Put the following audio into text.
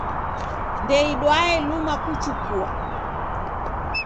Ndeidwae luma kuchua.